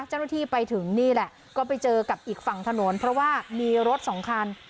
เจ้าหน้าที่ไปถึงนี่แหละก็ไปเจอกับอีกฝั่งถนนเพราะว่ามีรถสองคัน